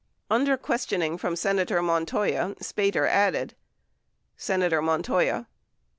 17 Under questioning from Senator Montoya, Spater added : Senator Montoya.